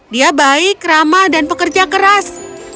dia baik ramah dan pekerja keras